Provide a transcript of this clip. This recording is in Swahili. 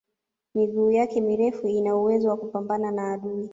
miguu yake mirefu ina uwezo wa kupambana na adui